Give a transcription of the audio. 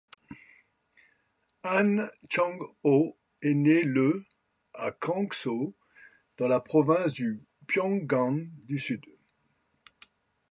Ahn Chang-ho est né le à Kangso dans la province du Pyongan du Sud.